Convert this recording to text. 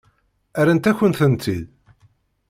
Rrant-akent-tent-id?